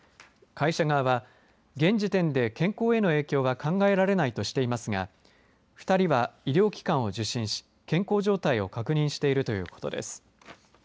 会社側は現時点での健康への被害は考えられないとしていますが２人は医療機関を受診し健康状態を確認しているということです。